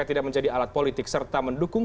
tidak menjadi alat politik serta mendukung